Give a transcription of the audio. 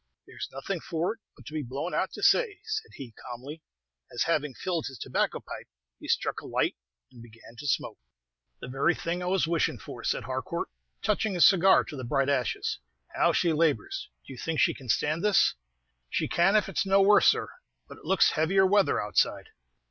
"There's nothing for it but to be blown out to say," said he, calmly, as, having filled his tobacco pipe, he struck a light and began to smoke. "The very thing I was wishing for," said Harcourt, touching his cigar to the bright ashes. "How she labors! Do you think she can stand this?" "She can, if it's no worse, sir." "But it looks heavier weather outside."